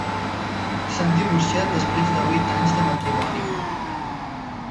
S'han divorciat després de vuit anys de matrimoni.